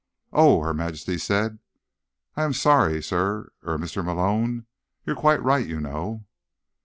"Oh," Her Majesty said. "I am sorry, Sir—er—Mr. Malone. You're quite right, you know."